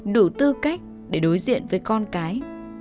đủ tư cách để đối diện với con cái